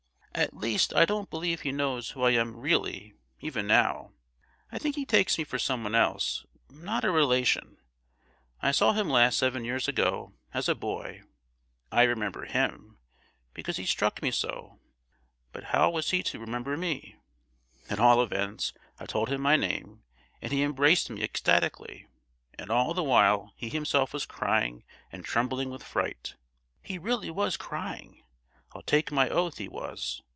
At least, I don't believe he knows who I am really, even now; I think he takes me for someone else, not a relation. I saw him last seven years ago, as a boy; I remember him, because he struck me so; but how was he to remember me? At all events, I told him my name, and he embraced me ecstatically; and all the while he himself was crying and trembling with fright. He really was crying, I'll take my oath he was!